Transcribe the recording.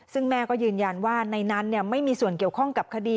ซึ่งแม่ก็ยืนยันว่าในนั้นไม่มีส่วนเกี่ยวข้องกับคดี